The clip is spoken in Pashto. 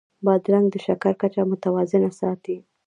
بادرنګ د شکر کچه متوازنه ساتي.